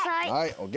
ＯＫ！